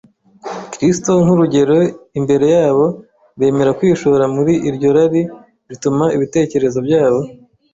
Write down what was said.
Kristo nk’urugero imbere yabo, bemera kwishora muri iryo rari rituma ibitekerezo byabo